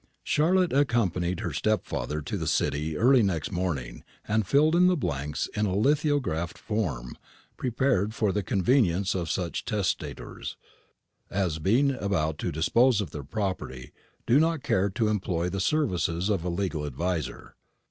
Charlotte accompanied her stepfather to the city early next morning, and filled in the blanks in a lithographed form, prepared for the convenience of such testators as, being about to dispose of their property, do not care to employ the services of a legal adviser.